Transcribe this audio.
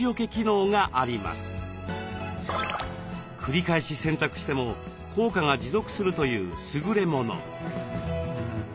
繰り返し洗濯しても効果が持続するというすぐれもの。